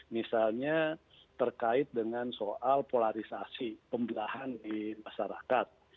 misalnya terkait dengan soal polarisasi pembelahan di masyarakat